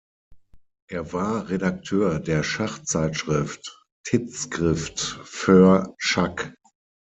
Er war Redakteur der Schachzeitschrift „"Tidskrift för Schack"“.